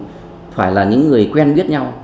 hung thủ thì phải là những người quen biết nhau